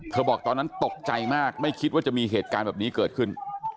บอกตอนนั้นตกใจมากไม่คิดว่าจะมีเหตุการณ์แบบนี้เกิดขึ้น